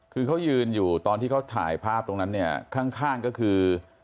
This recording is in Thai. คือเขายืนอยู่ตอนที่เขาถ่ายภาพตรงนั้นเนี่ยข้างก็คือ